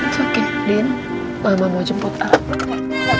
soke din mama mau jemput al